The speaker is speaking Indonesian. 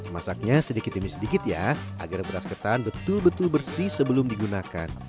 masaknya sedikit demi sedikit ya agar beras ketan betul betul bersih sebelum digunakan